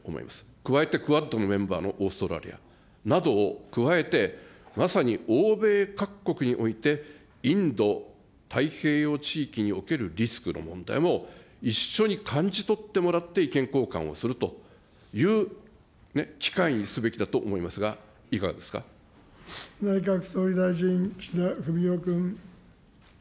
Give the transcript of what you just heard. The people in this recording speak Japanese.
加えてクワッドのメンバーのオーストラリアなどを加えて、まさに欧米各国において、インド太平洋地域におけるリスクの問題も一緒に感じ取ってもらって意見交換をするというね、機会にすべきだと思いますが、いかが内閣総理大臣、岸田文雄君。